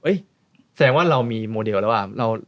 แสดงว่าเรามีโมเดลแล้วอ่ะ